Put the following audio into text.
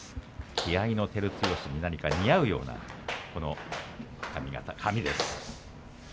気合いの照強に何か似合うような髪形。